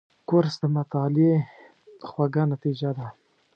کورس د مطالعې خوږه نتیجه ده.